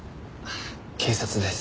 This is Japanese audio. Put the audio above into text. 警察です。